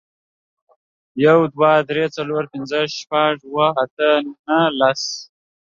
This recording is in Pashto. يو، دوه، درې، څلور، پينځه، شپږ، اووه، اته، نهه، لس